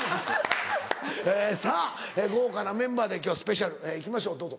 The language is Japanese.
えさぁ豪華なメンバーで今日はスペシャル行きましょうどうぞ。